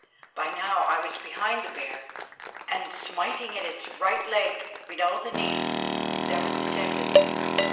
By now I was behind the bear, and, smiting at its right leg below the knee, severed the tendon.